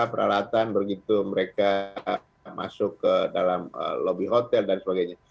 peralatan begitu mereka masuk ke dalam lobby hotel dan sebagainya